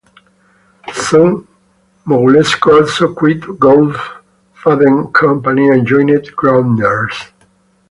Soon Mogulesko also quit Goldfaden's company and joined Grodner's.